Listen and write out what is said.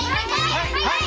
はい！